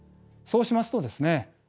そうしますとですね